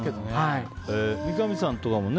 三上さんとかもね